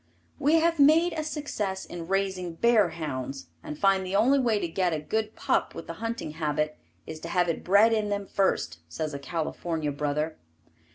We have made a success in raising bear hounds, and find the only way to get a good pup with the hunting habit, is to have it bred in them first, says a California Brother.